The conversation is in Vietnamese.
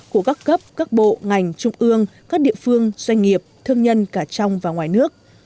của các cấp các bộ ngành trung ương các địa phương doanh nghiệp thương nhân cả trong và ngoài nước